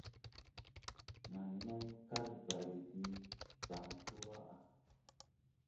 Nan may kal vaidi dan duwaha.